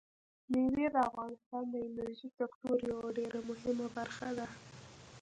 مېوې د افغانستان د انرژۍ سکتور یوه ډېره مهمه برخه ده.